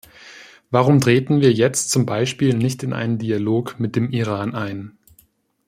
Warum treten wir jetzt zum Beispiel nicht in einen Dialog mit dem Iran ein?